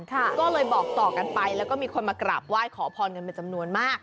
ก็เลยบอกต่อกันไปแล้วก็มีคนมากราบว่ายขอพรกันมาก